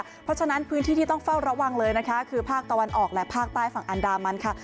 เพราะฉะนั้นพื้นที่ที่ต้องเฝ้าระวังเลยนะคะคือภาคตะวันออกและภาคใต้ฝั่งอันดามันค่ะ